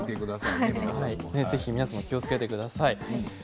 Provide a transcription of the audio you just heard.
ぜひ気をつけてください。